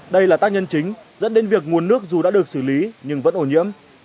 vì là tác nhân chính dẫn đến việc nguồn nước dù đã được xử lý nhưng vẫn ô nhiễm